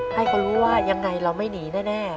ให้เขารู้ว่ายังไงเราไม่หนีแน่